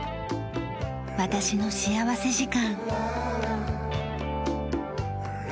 『私の幸福時間』。